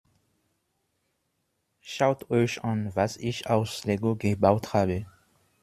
Schaut euch an, was ich aus Lego gebaut habe!